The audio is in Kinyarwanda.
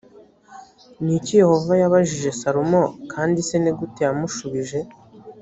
ni iki yehova yabajije salomo kandi se ni gute yamushubije